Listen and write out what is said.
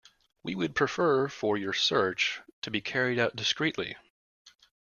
We would prefer for your search to be carried out discreetly.